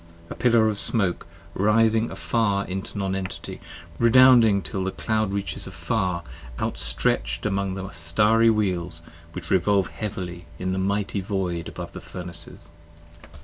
A pillar of smoke writhing afar into Non Entity, redounding Till the cloud reaches afar outstretch'd among the Starry Wheels Which revolve heavily in the mighty Void above the Furnaces.